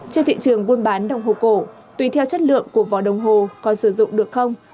trên thị trường buôn bán đồng hồ cổ tùy theo chất lượng của vỏ đồng hồ có sử dụng được không